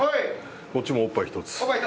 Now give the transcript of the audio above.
こっちもおっぱい１つ。